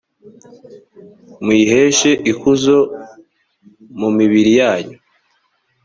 muyiheshe ikuzo mu mibiri yanyu